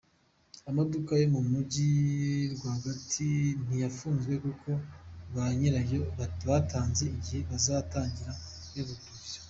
Amaduka yo mu mugi rwagati ntiyafunzwe kuko ba nyira yo batanze igihe bazatangira kuyavugururira.